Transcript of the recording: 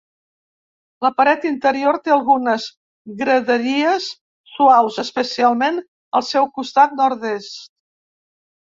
La paret interior té algunes graderies suaus, especialment al seu costat nord-est.